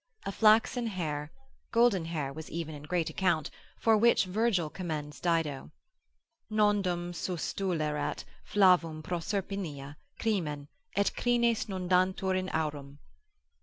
A flaxen hair; golden hair was even in great account, for which Virgil commends Dido, Nondum sustulerat flavum Proserpinina crinem, Et crines nodantur in aurum.